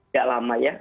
gak lama ya